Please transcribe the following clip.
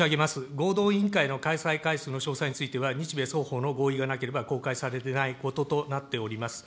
合同委員会の開催回数の詳細については、日米双方の合意がなければ、公開されてないこととなっております。